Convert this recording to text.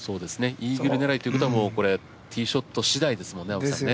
イーグル狙いということはもうこれティーショットしだいですもんね。ですよね。